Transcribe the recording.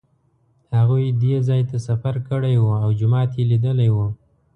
هغوی دې ځای ته سفر کړی و او جومات یې لیدلی و.